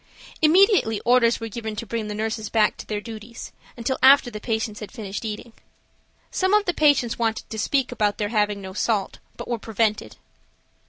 Immediately orders were given to bring the nurses back to their duties until after the patients had finished eating. Some of the patients wanted to speak about their having no salt, but were prevented.